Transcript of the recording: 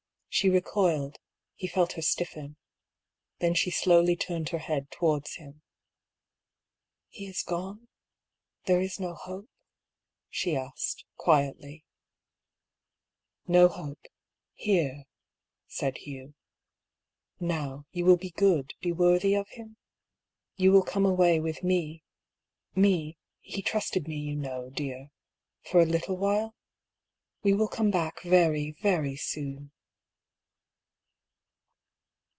She recoiled, he felt her stiffen ; then she slowly turned her head towards him. "He is gone? There is no hope?" she asked, quietly. " KTo hope — A«r^," said Hugh. " Now, you will be A STARTLING PROPOSAL. 103 good, be worthy of him ? You will come away with me, me (he trusted me, you know, dear), for a little while? We will come back very, very soon